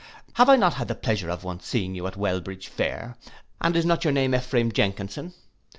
Have I not had the pleasure of once seeing you at Welbridge fair, and is not your name Ephraim Jenkinson?